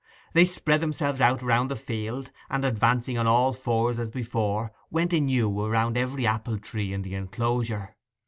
They spread themselves out round the field, and advancing on all fours as before, went anew round every apple tree in the enclosure.